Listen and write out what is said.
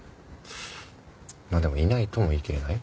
まあでもいないとも言いきれない。